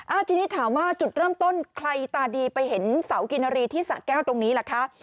ทีนี้ถามว่าจุดเริ่มต้นใครตาดีไปเห็นเสากินรีที่สะแก้วตรงนี้ล่ะคะ